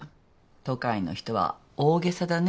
都会の人は大げさだね。